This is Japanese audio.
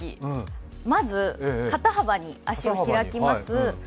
まず肩幅に足を開きます。